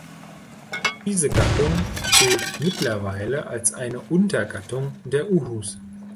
Diese Gattung gilt mittlerweile als eine Untergattung der Uhus.